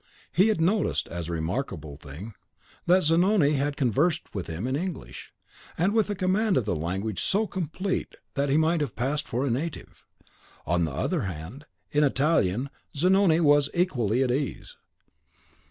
He had noticed, as a thing remarkable, that Zanoni had conversed with him in English, and with a command of the language so complete that he might have passed for a native. On the other hand, in Italian, Zanoni was equally at ease.